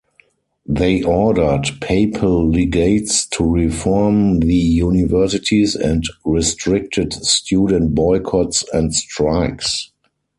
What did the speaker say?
They ordered papal legates to reform the universities and restricted student boycotts and strikes.